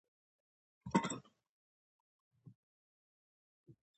ګواتیلايي واکمنان د قهوې کښت ته علاقمند شول.